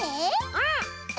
うん！